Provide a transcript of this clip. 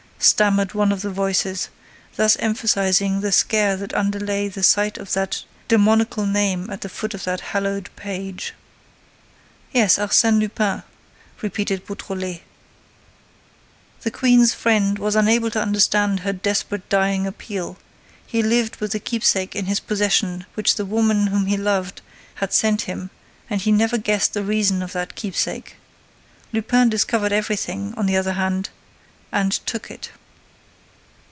stammered one of the voices, thus emphasizing the scare that underlay the sight of that demoniacal name at the foot of the hallowed page. "Yes, Arsène Lupin," repeated Beautrelet. "The Queen's friend was unable to understand her desperate dying appeal. He lived with the keepsake in his possession which the woman whom he loved had sent him and he never guessed the reason of that keepsake. Lupin discovered everything, on the other hand—and took it."